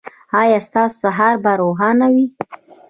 ایا ستاسو سهار به روښانه وي؟